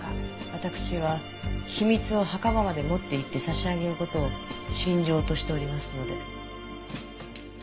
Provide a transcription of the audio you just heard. わたくしは秘密を墓場まで持っていって差し上げる事を信条としておりますので。